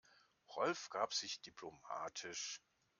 Rolf gab sich diplomatisch.